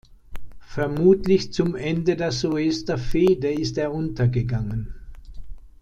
Vermutlich zum Ende der Soester Fehde ist er untergegangen.